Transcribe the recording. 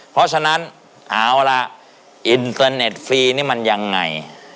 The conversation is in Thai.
เพราะฉะนั้นเอาล่ะอินเตอร์เน็ตฟรีนี่มันยังไง